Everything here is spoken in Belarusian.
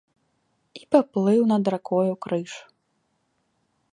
І паплыў над ракою крыж.